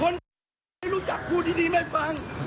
มึงเนี้ยคนไม่รู้จักพูดดีไม่ฟัง